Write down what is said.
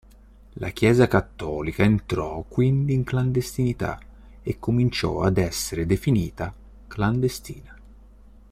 La Chiesa cattolica entrò quindi in clandestinità e cominciò ad essere definita "clandestina".